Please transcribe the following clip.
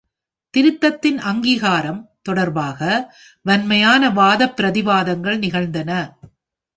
திருத்தத்தின் அங்கீகாரம் தொடர்பாக வன்மையான வாதப் பிரதிவாதங்கள் நிகழ்ந்தன.